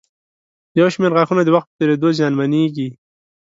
یو شمېر غاښونه د وخت په تېرېدو زیانمنېږي.